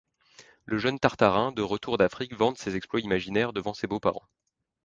Le jeune Tartarin de retour d'Afrique, vante ses exploits imaginaires devant ses beaux-parents.